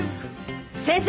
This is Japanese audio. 先生！